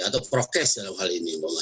atau prokes dalam hal ini